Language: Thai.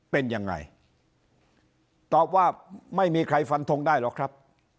เป็นยังไงตอบว่าไม่มีใครฟันทงได้หรอกครับ